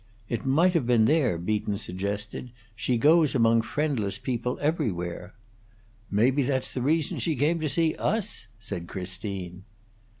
"It might have been there," Beaton suggested. "She goes among friendless people everywhere." "Maybe that's the reason she came to see us!" said Christine.